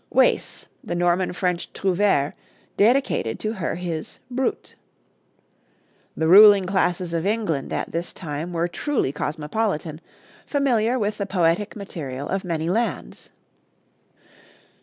Wace, the Norman French trouvere, dedicated to her his 'Brut.' The ruling classes of England at this time were truly cosmopolitan, familiar with the poetic material of many lands.